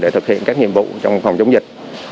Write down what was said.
để thực hiện các nhiệm vụ trong phòng chống dịch